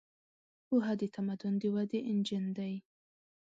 پوهه د تمدن د ودې انجن دی.